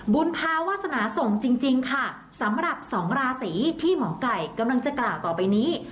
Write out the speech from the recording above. บุญภาวาสนาส่งจริงจริงค่ะสำหรับสองราศีที่หมอไก่กำลังจะกล่าวต่อไปนี้